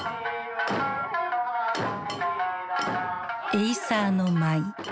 エイサーの舞。